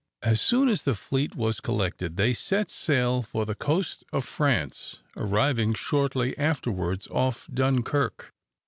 As soon as the fleet was collected, they set sail for the coast of France, arriving shortly afterwards off Dunkirk.